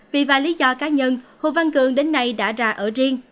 vì vài lý do cá nhân hồ văn cường đến nay đã ra ở riêng